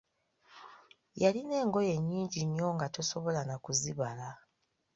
Yalina engoye nnyingi nnyo nga tosobola na kuzibala.